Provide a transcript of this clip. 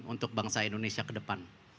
untuk bangsa indonesia ke depan